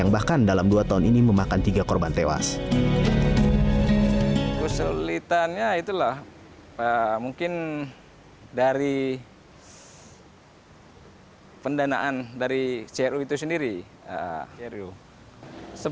bahkan dalam dua tahun ini memakan tiga korban tewas